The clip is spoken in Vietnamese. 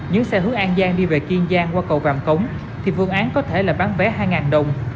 những xe hướng an giang đi về kiên giang qua cầu vàm cống thì vương án có thể là bán vé hai đồng